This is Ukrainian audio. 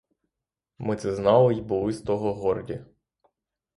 Ми це знали й були з того горді.